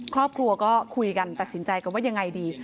ครอบครัวก็คุยกันตัดสินใจกันว่ายังไงดี